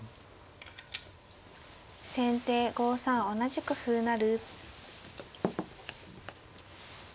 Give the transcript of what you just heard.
先手５三同じく歩成。